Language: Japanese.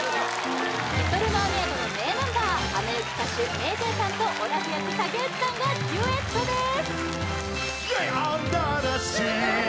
「リトル・マーメイド」の名ナンバー「アナ雪」歌手ＭａｙＪ．さんとオラフ役武内さんがデュエットです